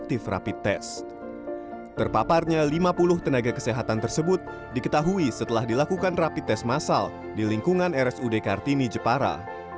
terpaparnya lima puluh tenaga kesehatan tersebut diketahui setelah dilakukan rapid test masal di lingkungan rsud kartini jepara